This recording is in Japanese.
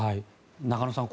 中野さん